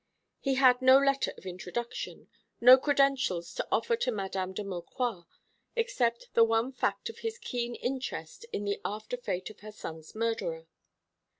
He had no letter of introduction, no credentials to offer to Mdme. de Maucroix, except the one fact of his keen interest in the after fate of her son's murderer.